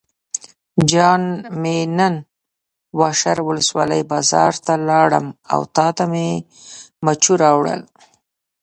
جان مې نن واشر ولسوالۍ بازار ته لاړم او تاته مې مچو راوړل.